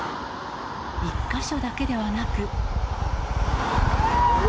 １か所だけではなく。